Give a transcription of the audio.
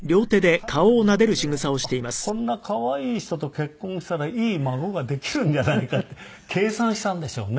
彼女の中ではこんな可愛い人と結婚したらいい孫ができるんじゃないかって計算したんでしょうね。